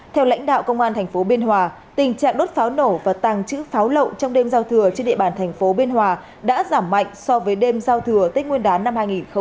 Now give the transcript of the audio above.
theo lãnh đạo công an thành phố biên hòa tình trạng đốt pháo nổ và tàng chữ pháo lộ trong đêm giao thừa trên địa bàn thành phố biên hòa đã giảm mạnh so với đêm giao thừa tết nguyên đán năm hai nghìn hai mươi một